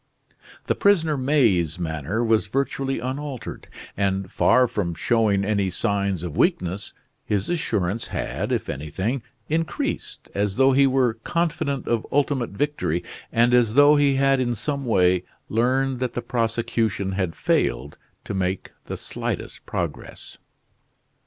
The prisoner May's manner was virtually unaltered; and far from showing any signs of weakness, his assurance had, if anything, increased, as though he were confident of ultimate victory and as though he had in some way learned that the prosecution had failed to make the slightest progress.